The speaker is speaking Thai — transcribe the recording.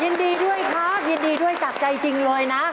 ยินดีด้วยครับยินดีด้วยจากใจจริงเลยนะ